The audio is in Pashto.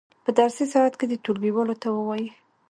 په درسي ساعت کې دې ټولګیوالو ته ووایي.